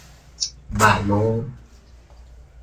บ่ายโมง